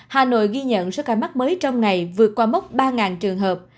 hà nội ghi nhận số ca mắc mới trong ngày vượt qua mốc ba trường hợp